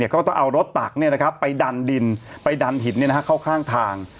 ก็ต้องเอารถตักไปดันดินไปดันหินเข้าข้างทาง